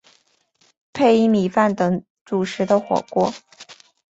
配以米饭等主食的火锅。